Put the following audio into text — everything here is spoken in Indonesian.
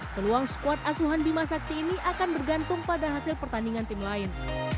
peluang skuad asuhan bimasakti ini akan bergantung pada hasil pertandingan tim lain